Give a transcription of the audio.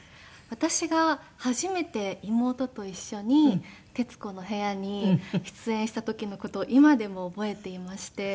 私が初めて妹と一緒に『徹子の部屋』に出演した時の事を今でも覚えていまして。